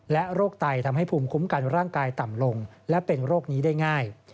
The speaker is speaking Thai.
โรคไตทำให้ภูมิคุ้มกันร่างกายต่ำลงและเป็นโรคนี้ได้ง่าย